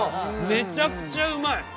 めちゃくちゃうまい！